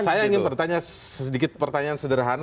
saya ingin bertanya sedikit pertanyaan sederhana